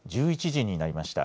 １１時になりました。